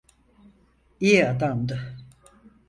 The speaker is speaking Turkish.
İyi adamdı.